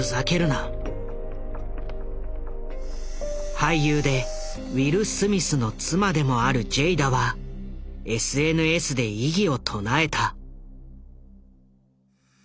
俳優でウィル・スミスの妻でもあるジェイダはＳＮＳで異議を唱えた。